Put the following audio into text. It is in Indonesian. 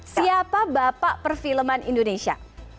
siapa bapak perfilman indonesia